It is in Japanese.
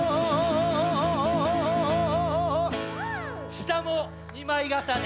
したも２まいがさね。